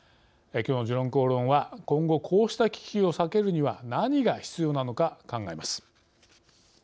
きょうの「時論公論」は今後、こうした危機を避けるには何が必要なのか考えます。